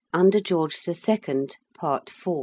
UNDER GEORGE THE SECOND. PART IV.